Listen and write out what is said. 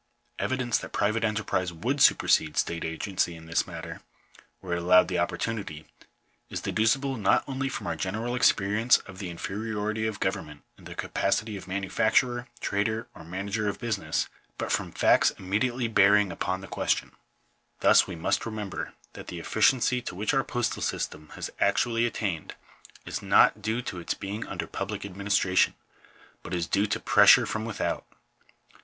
Evidence that private enterprise would supersede state agency in this matter, were it allowed the opportunity, is deducible not only from our general experience of the infe riority of government in the capacity of manufacturer, trader, or manager of business, but from facts immediately bearing upon the question. Thus we must remember that the efficiency to which our postal system has actually attained is not due to its being under public administration, but is due to pressure from without.